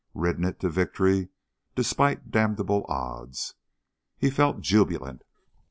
Ridden it to victory despite damnable odds. He felt jubilant.